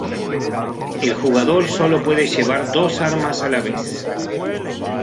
El jugador sólo puede llevar dos armas a la vez.